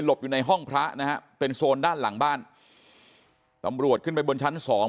อยู่ในห้องพระนะฮะเป็นโซนด้านหลังบ้านตำรวจขึ้นไปบนชั้นสอง